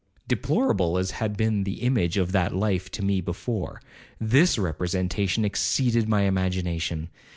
'Deplorable as had been the image of that life to me before, this representation exceeded my imagination.